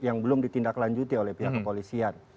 yang belum ditindaklanjuti oleh pihak kepolisian